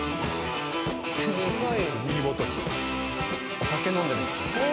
お酒飲んでるんですか？